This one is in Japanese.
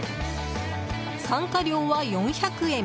参加料は４００円。